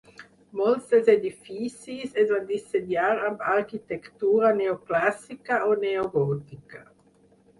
Molts dels edificis es van dissenyar amb arquitectura neoclàssica o neogòtica.